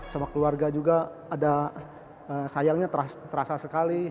sama keluarga juga ada sayangnya terasa sekali